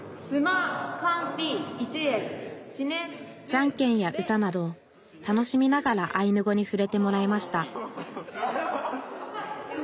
じゃんけんや歌など楽しみながらアイヌ語にふれてもらいました